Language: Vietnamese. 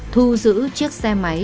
thu giữ chiếc xe máy